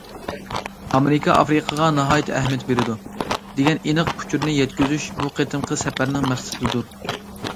« ئامېرىكا ئافرىقىغا ناھايىتى ئەھمىيەت بېرىدۇ» دېگەن ئېنىق ئۇچۇرنى يەتكۈزۈش بۇ قېتىمقى سەپەرنىڭ مەقسىتىدۇر.